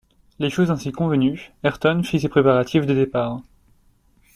Les choses ainsi convenues, Ayrton fit ses préparatifs de départ